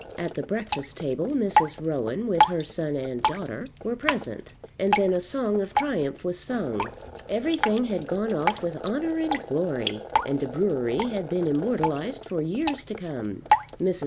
At the breakfast table Mrs. Rowan, with her son and daughter, were present; and then a song of triumph was sung. Everything had gone off with honour and glory, and the brewery had been immortalized for years to come. Mrs.